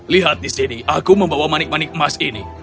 lihat di sini aku membawa manik manik emas ini